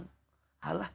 alah si hilman duluma